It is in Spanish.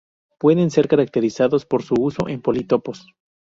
Pueden ser caracterizados por su uso en politopos.